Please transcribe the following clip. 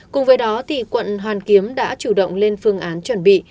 cùng với đó quận hoàn kiếm đã chủ động lên phương án chuẩn bị